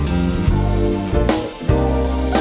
ยิ่งกว่าวันนี้